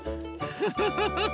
フフフフ。